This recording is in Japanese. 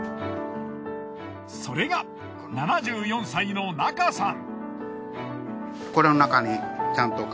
それが７４歳の中さん。